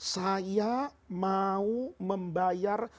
saya mau membayar